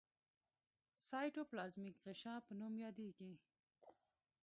سایټوپلازمیک غشا په نوم یادیږي.